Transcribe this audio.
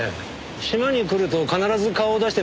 島に来ると必ず顔を出してます。